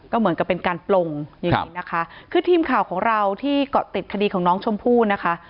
ก็เหมือนกับเป็นการปลงอย่างนี้นะคะคือทีมข่าวของเราที่เกาะติดคดีของน้องชมพู่นะคะ